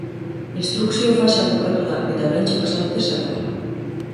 Instrukzio fasea bukatu da eta oraintxe pasa dute salara.